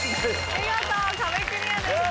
見事壁クリアです。